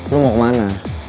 lo mau kemana